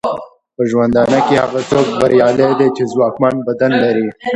په ژوندانه کې هغه څوک بریالی دی چې ځواکمن بدن لري.